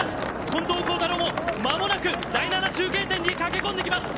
近藤幸太郎も、まもなく第７中継点に駆け込んできます。